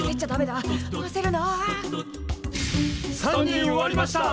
３人終わりました！